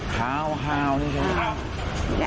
ขาวนี่ใช่มั้ย